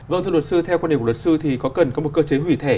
vâng thưa luật sư theo quan điểm của luật sư thì có cần có một cơ chế hủy thẻ